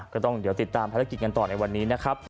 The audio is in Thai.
ก็ต้องติดตามธุรกิจกันต่อในวันนี้นะครับ